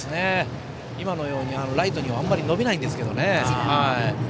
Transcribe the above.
今のように、ライトにはあまり伸びないんですけどね。